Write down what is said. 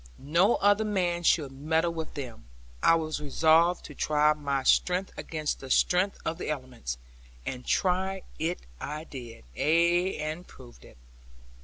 No other man should meddle with them; I was resolved to try my strength against the strength of the elements; and try it I did, ay, and proved it.